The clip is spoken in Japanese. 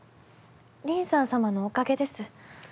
リンサン様のおかげです。